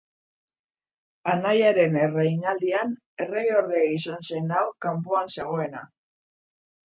Anaiaren erreinaldian, erregeordea izan zen hau kanpoan zegoena.